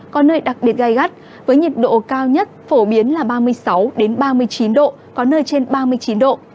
có nơi đặc biệt gai gắt với nhiệt độ cao nhất phổ biến là ba mươi sáu ba mươi chín độ có nơi trên ba mươi chín độ